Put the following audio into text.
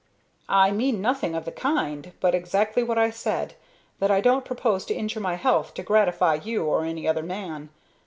"I mean nothing of the kind, but exactly what I said, that I don't propose to injure my health to gratify you or any other man.